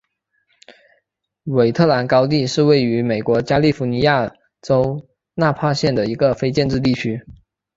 韦特兰高地是位于美国加利福尼亚州纳帕县的一个非建制地区。